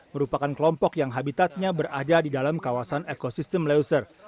merupakan kelompok yang habitatnya berada di dalam kawasan ekosistem leuser